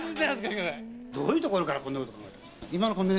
どういうところからこんなことを。